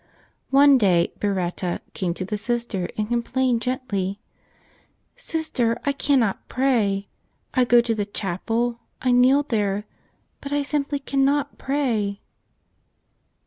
One day Bereta came to the Sister and com¬ plained gently, "Sister, I cannot pray; I go to the chapel; I kneel there; but I simply cannot pray."